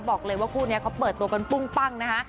บอกเลยว่าคู่นี้เขาเปิดตัวกันปุ้งปั้งนะคะ